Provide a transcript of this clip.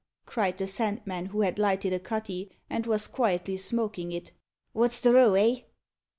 cried the Sandman, who had lighted a cutty, and was quietly smoking it. "Wot's the row, eh?"